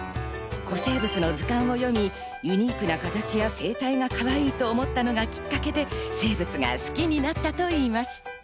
古生物の図鑑を読み、ユニークな形や生態がかわいいと思ったのがきっかけで生物が好きになったといいます。